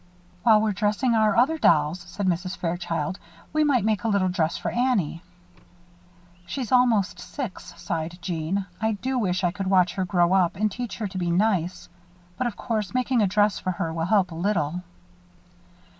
"While we're dressing our other dolls," said Mrs. Fairchild, "we might make a little dress for Annie." "She's almost six," sighed Jeanne. "I do wish I could watch her grow up and teach her to be nice. But, of course, making a dress for her will help a little!"